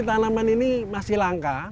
tanaman ini masih langka